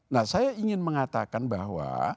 nah saya ingin mengatakan bahwa